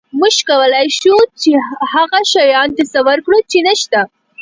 موږ کولی شو هغه شیان تصور کړو، چې نهشته.